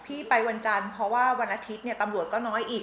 พี่ไปวันจันทร์เพราะว่าวันอาทิตย์เนี่ยตำรวจก็น้อยอีก